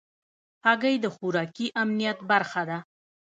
هګۍ د خوراکي امنیت برخه ده.